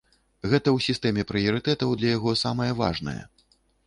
Гэта ў сістэме прыярытэтаў для яго самае важнае.